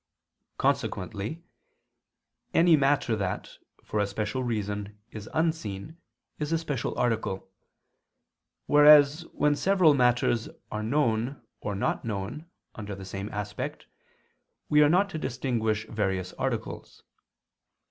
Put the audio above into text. Consequently any matter that, for a special reason, is unseen, is a special article; whereas when several matters are known or not known, under the same aspect, we are not to distinguish various articles.